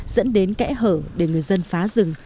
dẫn đến kẽ hở để người dân phá rừng